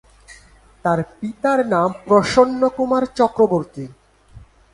তার পিতার নাম প্রসন্নকুমার চক্রবর্তী।